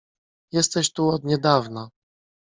"Jesteś tu od niedawna."